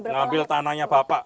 ngambil tanahnya bapak